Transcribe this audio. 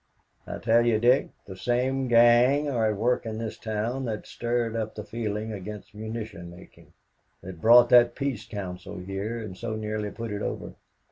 "I tell you, Dick, the same gang are at work in this town that stirred up the feeling against munition making, that brought that Peace Council here and so nearly put it over.